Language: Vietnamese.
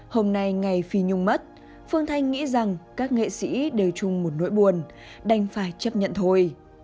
hôm nay ngày phi nhung mất phương thanh nghĩ rằng các nghệ sĩ đều chung một nỗi buồn đành phải chấp nhận thôi